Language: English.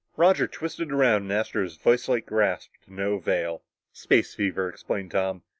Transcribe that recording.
Roger twisted around in Astro's viselike grasp, to no avail. "Space fever," explained Tom.